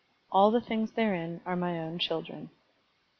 X All the things therein are my own chil dren.